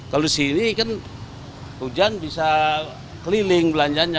kalau di sini kan hujan bisa keliling belanjanya